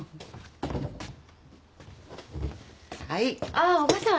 ああおばさん。